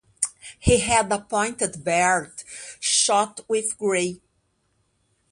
He had a pointed beard shot with grey.